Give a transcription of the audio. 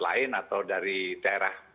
lain atau dari daerah